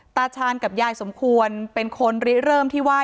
ตาชาญกับยายสมควรเป็นคนริเริ่มที่ว่า